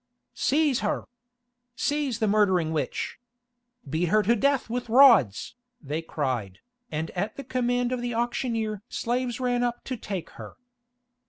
"Seize her! Seize the murdering witch! Beat her to death with rods," they cried, and at the command of the auctioneer slaves ran up to take her.